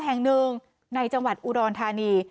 แห่งนึงในจังหวัดอูดอ่อนธานี